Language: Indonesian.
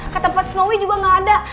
ke tempat snowi juga gak ada